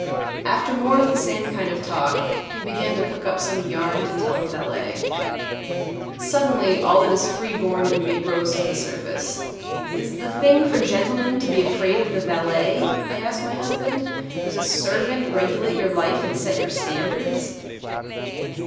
After more of the same kind of talk, he began to cook up some yarn to tell the valet. Suddenly all that is free born in me rose to the surface. "Is it the thing for gentlemen to be afraid of the valet?" I asked my husband. "Does a servant regulate your life and set your standards?"